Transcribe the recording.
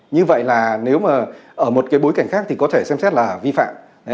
như vậy là nếu mà ở một cái bối cảnh khác thì có thể xem xét là vi phạm